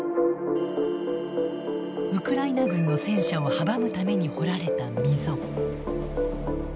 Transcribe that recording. ウクライナ軍の戦車を阻むために掘られた溝。